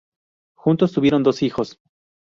Juntos tuvieron dos hijos.